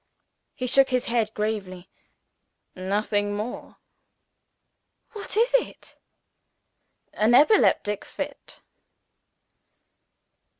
He shook his head gravely. "Nothing more." "What is it?" "An epileptic fit."